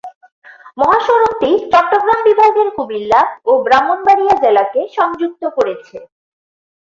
মহাসড়কটি চট্টগ্রাম বিভাগের কুমিল্লা ও ব্রাহ্মণবাড়িয়া জেলাকে সংযুক্ত করেছে।